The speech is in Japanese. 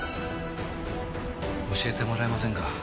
教えてもらえませんか？